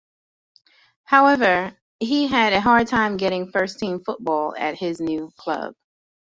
However, he had a hard time getting first-team football at his new club.